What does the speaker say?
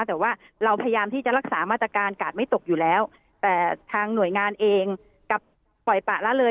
แต่ว่าเราพยายามที่จะรักษามาตรการกาดไม่ตกอยู่แล้วแต่ทางหน่วยงานเองกับปล่อยปะละเลย